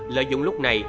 lợi dụng lúc này